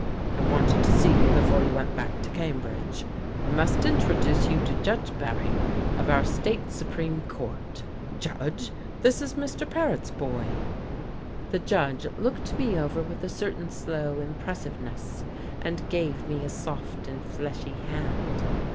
I wanted to see you before you went back to Cambridge. I must introduce you to Judge Bering, of our State Supreme Court. Judge, this is Mr. Paret's boy." The judge looked me over with a certain slow impressiveness, and gave me a soft and fleshy hand.